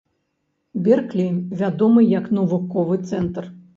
Берклі вядомы як навуковы цэнтр.